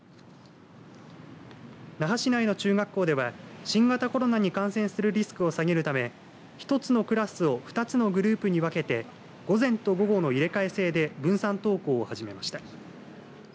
那覇市内の中学校では新型コロナに感染するリスクを下げるため１つのクラスを２つのグループに分けて午前と午後の入れ替え制で分散登校を始めました。